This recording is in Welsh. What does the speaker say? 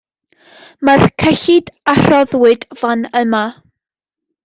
Mae'r cyllid a rhoddwyd fan yma